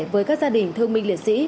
với các gia đình thương minh liệt sĩ